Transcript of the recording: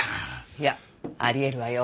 いやありえるわよ。